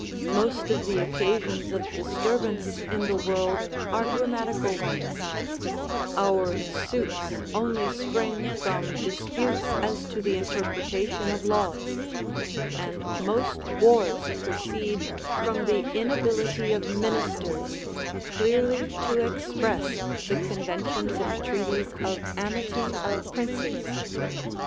Most of the occasions of disturbance in the world are grammatical ones; our suits only spring from disputes as to the interpretation of laws; and most wars proceed from the inability of ministers clearly to express the conventions and treaties of amity of princes.